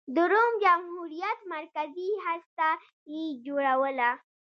د روم جمهوریت مرکزي هسته یې جوړوله.